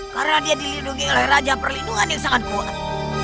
karena dia dilindungi oleh raja perlindungan yang sangat kuat